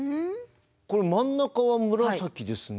これ真ん中は紫ですね。